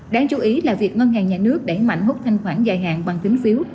đáng chú ý là việc ngân hàng nhà nước đẩy mạnh hút thanh khoản dài hạn bằng kính phiếu